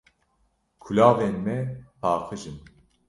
Kulavên me paqij in.